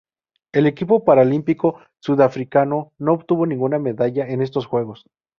El equipo paralímpico sudafricano no obtuvo ninguna medalla en estos Juegos.